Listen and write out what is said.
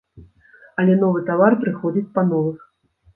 Але новы тавар прыходзіць па новых.